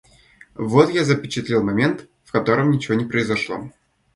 Вот я запечатлел момент, в котором ничего не произошло.